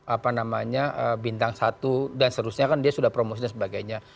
apa namanya bintang satu dan seterusnya kan dia sudah promosi dan sebagainya